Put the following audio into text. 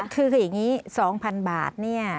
คืออย่างนี้๒๐๐๐บาทเนี่ย